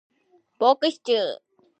ポークシチュー